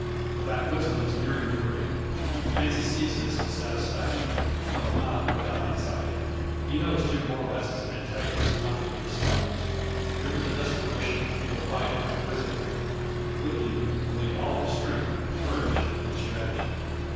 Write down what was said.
The backwoodsman is nearing the brigand. Clancy sees this with satisfaction, though not without anxiety. He knows Jim Borlasse is an antagonist not to be despised. Driven to desperation, he will fight like a grizzly bear. Woodley will need all his strength, courage, and strategy.